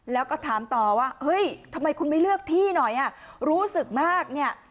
แล้วก็ถามต่อว่าเฮ้ยทำไมคุณไม่เลือกที่หน่อยอ่ะรู้สึกมากเนี่ย